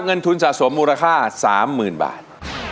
เงินทุนสะสมมูลค่า๓๐๐๐บาท